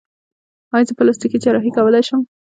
ایا زه پلاستیکي جراحي کولی شم؟